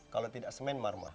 kalau tidak semen marmer